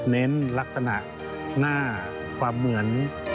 เน้นลักษณะหน้าความเหมือน